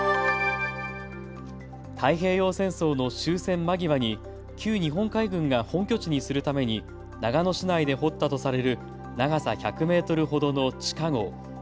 太平洋戦争の終戦間際に旧日本海軍が本拠地にするために長野市内で掘ったとされる長さ１００メートルほどの地下ごう。